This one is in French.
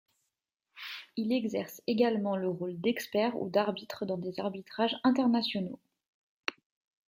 Il exerce également le rôle d’expert ou d’arbitre dans des arbitrages internationaux.